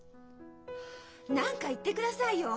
何か言ってくださいよ。